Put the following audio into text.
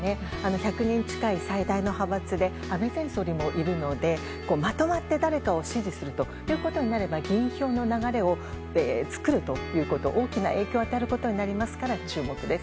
１００人近い最大の派閥で、安倍前総理もいるので、まとまって誰かを支持するということになれば、議員票の流れを作るということ、大きな影響を与えることになりますから、注目です。